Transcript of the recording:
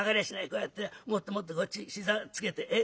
こうやってもっともっとこっち膝つけてえ？